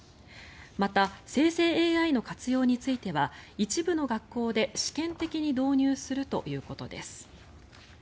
また、生成ＡＩの活用については一部の学校で試験的に導入するということです。